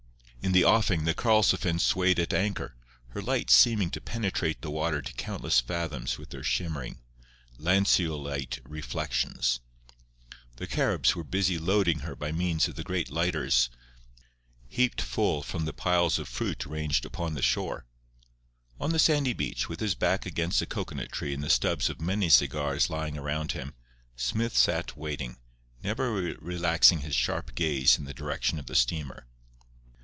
In the offing the Karlsefin swayed at anchor, her lights seeming to penetrate the water to countless fathoms with their shimmering, lanceolate reflections. The Caribs were busy loading her by means of the great lighters heaped full from the piles of fruit ranged upon the shore. On the sandy beach, with his back against a cocoanut tree and the stubs of many cigars lying around him, Smith sat waiting, never relaxing his sharp gaze in the direction of the steamer.